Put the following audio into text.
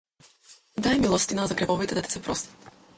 Дај милостина, за гревовите да ти се простат.